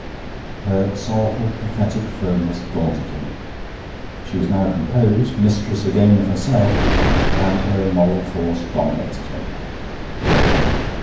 Her sorrowful, pathetic firmness daunted him. She was now composed, mistress again of herself, and her moral force dominated him.